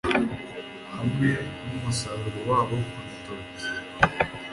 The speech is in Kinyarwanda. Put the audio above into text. Hamwe n’umusaruro wabo kurutoki